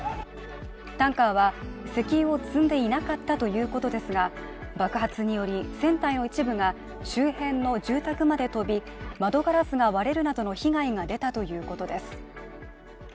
タンカーは石油を積んでいなかったということですが、爆発により船体の一部が周辺の住宅まで飛び窓ガラスが割れるなどの被害が出たということです。